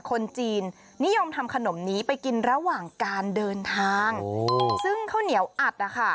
คนจีนนิยมทำขนมนี้ไปกินระหว่างการเดินทางซึ่งข้าวเหนียวอัดนะคะ